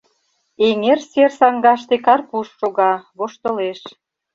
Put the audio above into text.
Эҥер сер саҥгаште Карпуш шога, воштылеш.